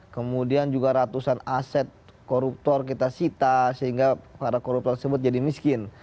kemudian juga ratusan aset koruptor kita sita sehingga para koruptor tersebut jadi miskin